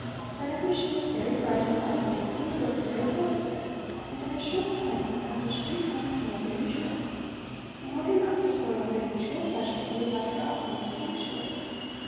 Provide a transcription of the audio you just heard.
Whenever she was very bright and lively, he would work very hard with her and in a short time accomplish three times more than usual. In order not to spoil their mutual pleasure he would let her off most punctually.